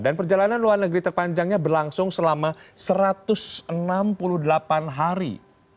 perjalanan luar negeri terpanjangnya berlangsung selama satu ratus enam puluh delapan hari